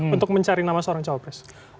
untuk mencari nama seorang cawapres